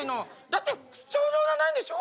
「だって社長じゃないんでしょ？」。